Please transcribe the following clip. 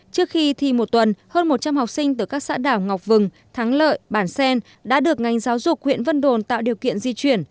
trước khi thi một tuần hơn một trăm linh học sinh từ các xã đảo ngọc vừng thắng lợi bản xen đã được ngành giáo dục huyện vân đồn tạo điều kiện di chuyển